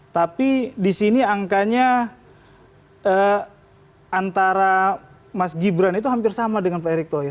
tapi disini angkanya antara mas gibran itu hampir sama dengan pak erik tohir